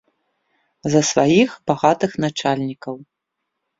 За сваіх багатых начальнікаў.